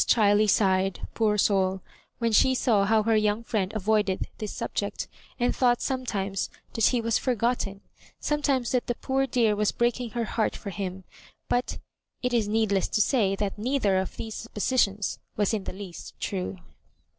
Chi ley sighed, poor soul, when she saw how her young friend avoided this subject, and thought sometimes that he was forgotten, sometimes that the poor dear was breaking her heart for him ; but it is needless to say that neither of these suppositions was in the least true.